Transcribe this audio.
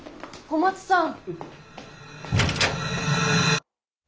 小松さん！